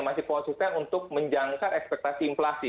masih posisinya untuk menjangkau ekspektasi inflasi